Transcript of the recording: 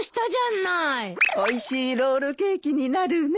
おいしいロールケーキになるね。